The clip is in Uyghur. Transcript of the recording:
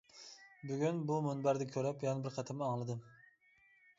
بۈگۈن بۇ مۇنبەردە كۆرۈپ يەنە بىر قېتىم ئاڭلىدىم.